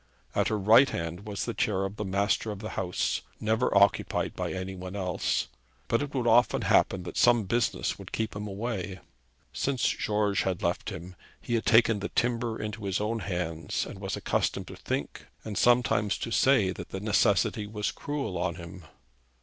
At her right hand was the chair of the master of the house, never occupied by any one else; but it would often happen that some business would keep him away. Since George had left him he had taken the timber into his own hands, and was accustomed to think and sometimes to say that the necessity was cruel on him.